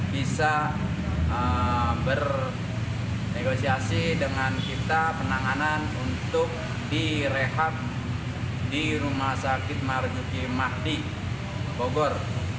bisa bernegosiasi dengan kita penanganan untuk direhab di rumah sakit marjuki mahdi bogor